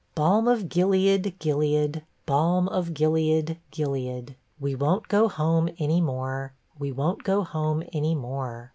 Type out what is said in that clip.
BETTY BAIRD 1 28 Balm of Gilead, Gilead, Balm of Gilead, Gilead, We wonH go home any more. We won't go home any more.